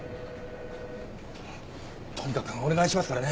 とにかくお願いしますからね。